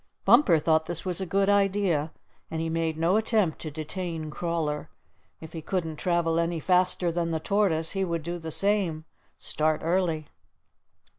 Bumper thought this was a good idea, and he made no attempt to detain Crawler. If he couldn't travel any faster than the Tortoise, he would do the same start early.